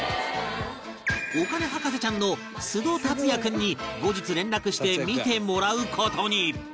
お金博士ちゃんの須戸達哉君に後日連絡して見てもらう事に